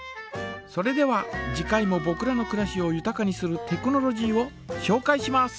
それでは次回もぼくらのくらしをゆたかにするテクノロジーをしょうかいします。